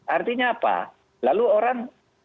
artinya apa lalu orang